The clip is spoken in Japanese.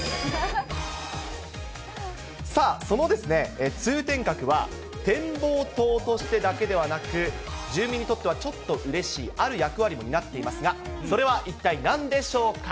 さあ、そのですね、通天閣は、展望塔としてだけではなく、住民にとってはちょっとうれしい、ある役割を担っていますが、それは一体なんでしょうか。